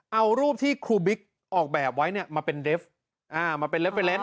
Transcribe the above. เอารูปที่ครูบิ๊กออกแบบไว้เนี่ยมาเป็นเดฟอ่ามาเป็นเล็บไปเล่น